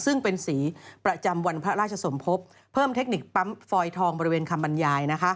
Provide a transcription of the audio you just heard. ซึ่งเป็นสีประจำวันพระราชสมภพเพิ่มเทคนิคปั๊มฟอยทองบริเวณคำบรรยาย